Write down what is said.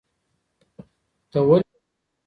ته ولې داسې فکر کوې؟